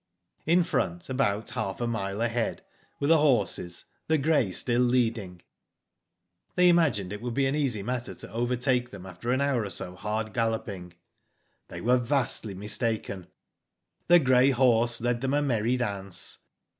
*' In front, about half a mile ahead, were the horses, the grey still leading. '* They imagined it would be an easy matter to overtake them after an hour or so hard galloping. Digitized byGoogk THE PHANTOM HORSE, 97 "They were vastly mistaken. The grey horse led them a merry dance.